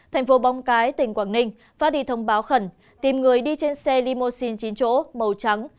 thành phố móng cái tỉnh quảng ninh phát đi thông báo khẩn tìm người đi trên xe limousine chín chỗ màu trắng